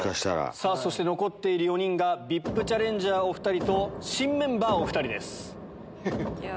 そして残っている４人がＶＩＰチャレンジャーお２人と新メンバーお２人です。